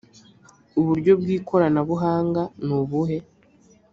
uburyo bw ikoranabuhanga nubuhe